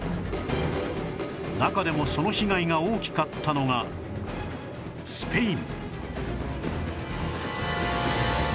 中でもその被害が大きかったのがスペイン